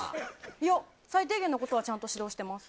いや、最低限のことはちゃんと指導してます。